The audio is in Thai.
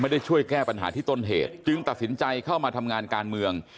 ได้ช่วยแก้ปัญหาที่ต้นเหตุจึงตัดสินใจเข้ามาทำงานการเมือง